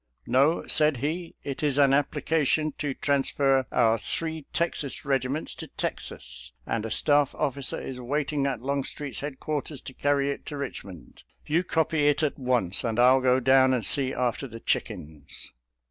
"" No," said he, " it is an application to trans fer our three Texas regiments to Texas, and a staff officer is waiting at Longstreet's head quarters to carry it to Eichmond. You copy it at once, and I'll go down and see after the chickens."